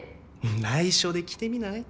内緒で着てみない？